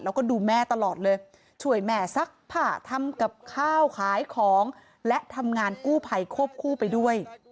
แล้วก็ดูแม่ตลอดเลยช่วยแม่ซักผ้าทำกับข้าวขายของและทำงานกู้ภัยควบคู่ไปด้วย